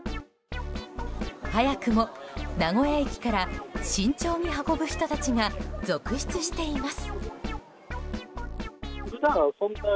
早くも名古屋駅から慎重に運ぶ人たちが続出しています。